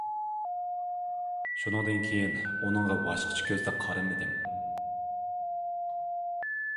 شۇندىن كىيىن ئۇنىڭغا باشقىچە كۆزدە قارىمىدىم.